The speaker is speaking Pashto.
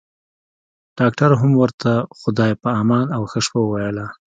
ډاکټر هم ورته خدای په امان او ښه شپه وويله.